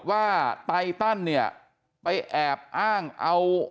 ไตตันเนี่ยไปแอบอ้างเอา